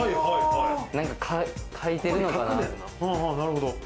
何か描いてるのかな？